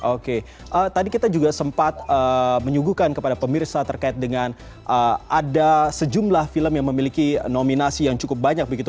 oke tadi kita juga sempat menyuguhkan kepada pemirsa terkait dengan ada sejumlah film yang memiliki nominasi yang cukup banyak begitu